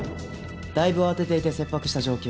だいぶ慌てていて切迫した状況。